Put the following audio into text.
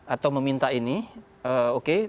atau meminta ini oke